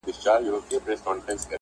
د خدای د حسن عکاسي د يتيم زړه کي اوسي~